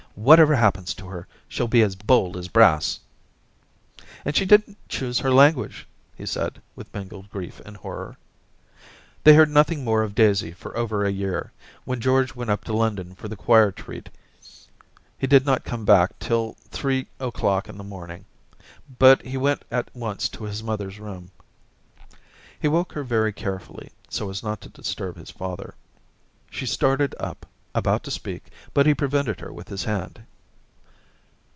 Whatever happens to her, she'll be as bold as brass.' * And she didn't choose her language,' he said, with mingled grief and horror. They heard nothing more of Daisy for over a year, when George went up to London for the choir treat He did not come back till three o'clock in the morning, but he went at once to his mother's room* Daisy 247 He woke her very carefully, so as not to disturb his father. She started up, about to speak, but he prevented her with his hand.